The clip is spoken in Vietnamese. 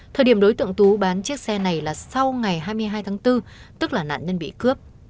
thời điểm đối tượng tú bán chiếc xe này là sau ngày hai mươi hai tháng bốn tức là nạn nhân bị cướp